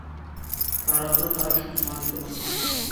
তারা তো তাঁর সম্মানিত বান্দা।